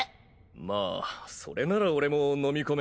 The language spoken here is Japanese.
まぁそれなら俺も飲み込め。